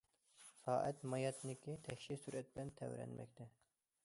سائەت ماياتنىكى تەكشى سۈرئەت بىلەن تەۋرەنمەكتە.